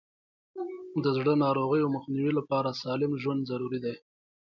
د زړه ناروغیو مخنیوي لپاره سالم ژوند ضروري دی.